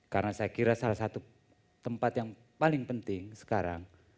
karena saya kira salah satu tempat yang paling penting sekarang